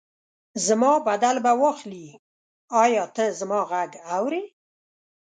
زما بدل به واخلي، ایا ته زما غږ اورې؟